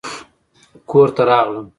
کور ته راغلم